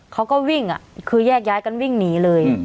เขาก็วิ่งคือแยกย้ายกันวิ่งหนีเลย